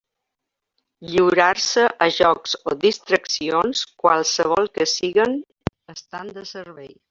Lliurar-se a jocs o distraccions, qualssevol que siguen, estant de servei.